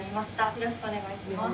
よろしくお願いします。